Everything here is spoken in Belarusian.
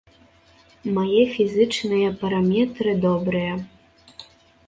Мае фізічныя параметры добрыя.